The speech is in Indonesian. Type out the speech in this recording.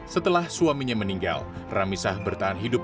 setelah suaminya meninggal ramisah bertahan hidup